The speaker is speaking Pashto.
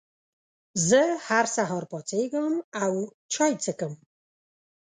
زه هر سهار پاڅېږم او چای څښم.